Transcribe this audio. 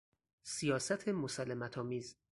سیاست مسالمت آمیز